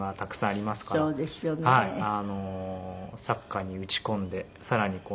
サッカーに打ち込んでさらに